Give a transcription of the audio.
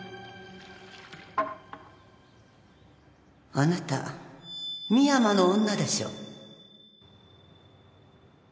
あなた深山の女でしょう？